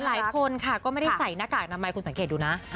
หลายคนค่ะก็ไม่ได้ใส่หน้ากากอนามัยคุณสังเกตดูนะ